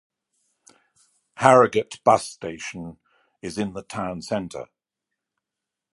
Harrogate bus station is in the town centre.